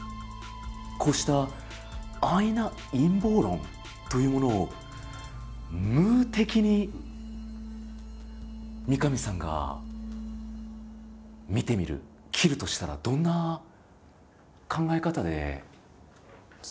こうした安易な陰謀論というものを「ムー」的に三上さんが見てみる斬るとしたらどんな考え方で向き合いますか？